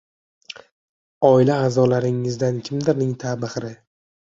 Oila a’zola¬ringizdan kimdirning ta’bi xira